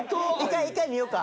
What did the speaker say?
一回見ようか。